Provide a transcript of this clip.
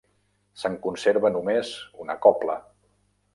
Se'n conserva només una cobla.